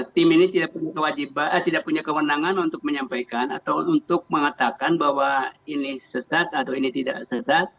tim ini tidak punya kewenangan untuk menyampaikan atau untuk mengatakan bahwa ini sesat atau ini tidak sesat